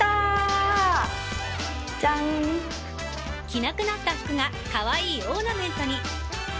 着なくなった服がカワイイオーナメントに